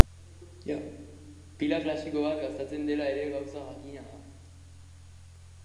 Pila klasiko bat gastatzen dela ere gauza jakina da.